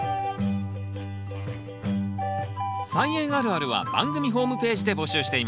「菜園あるある」は番組ホームページで募集しています。